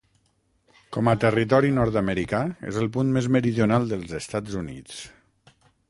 Com a territori nord-americà és el punt més meridional dels Estats Units.